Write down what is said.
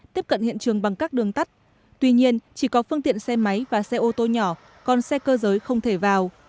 tiếp cận hiện trường bằng các đường tắt tuy nhiên chỉ có phương tiện xe máy và xe ô tô nhỏ còn xe cơ giới không thể vào